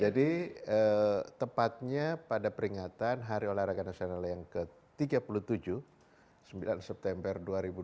jadi tepatnya pada peringatan hari olahraga nasional yang ke tiga puluh tujuh sembilan september dua ribu dua puluh